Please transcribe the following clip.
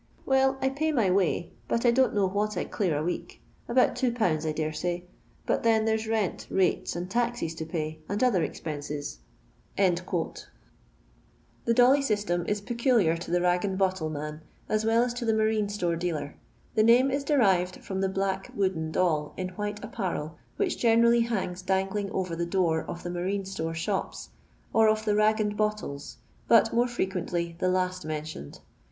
Well, I pay my way, but I don't know what I clear a week — about 2f, I dare say, but then there 's rent, rates, and taxes to pay, and other expenses." The Dully system is peculLir to the mg^ and bottle man, as well as to the marine ators dealer. The name is derived from the black wooden doll, in white apparel, which generally hangs dangling over the door of the marine store shops, or of the " rag and bottles," but more fre quently tho last mentioned.